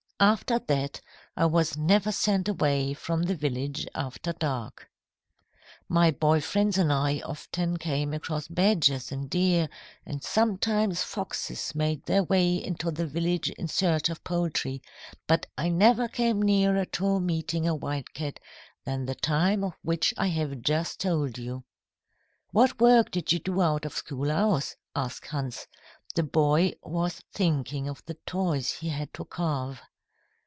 "After that, I was never sent away from the village after dark. "My boy friends and I often came across badgers and deer, and sometimes foxes made their way into the village in search of poultry, but I never came nearer to meeting a wildcat than the time of which I have just told you." "What work did you do out of school hours?" asked Hans. The boy was thinking of the toys he had to carve.